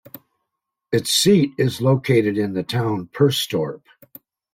Its seat is located in the town Perstorp.